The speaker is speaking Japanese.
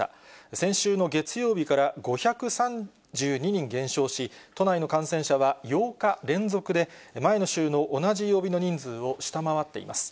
先週の月曜日から５３２人減少し、都内の感染者は８日連続で前の週の同じ曜日の人数を下回っています。